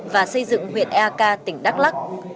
và xây dựng huyện eak tỉnh đắk lắc